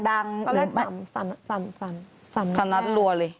ตอนแรกสำนัดลัวเลย